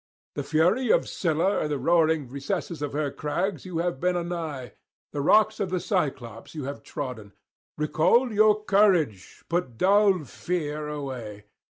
The fury of Scylla and the roaring recesses of her crags you have been anigh; the rocks of the Cyclops you have trodden. Recall your courage, put dull fear away.